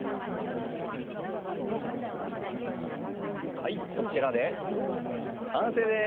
はいこちらで完成です。